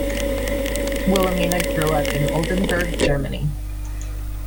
Wilhelmina grew up in Oldenburg, Germany.